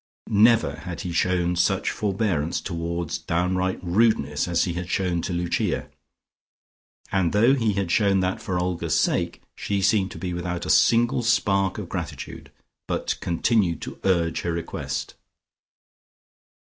Never had he shown such forbearance towards downright rudeness as he had shown to Lucia, and though he had shown that for Olga's sake, she seemed to be without a single spark of gratitude, but continued to urge her request.